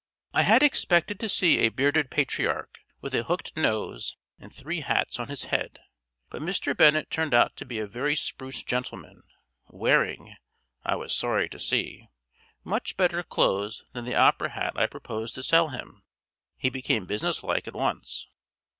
I had expected to see a bearded patriarch with a hooked nose and three hats on his head, but Mr. Bennett turned out to be a very spruce gentleman, wearing (I was sorry to see) much better clothes than the opera hat I proposed to sell him. He became businesslike at once.